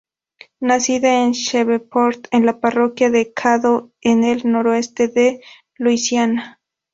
Nacida en Shreveport, en la parroquia de Caddo en el Noroeste de Luisiana.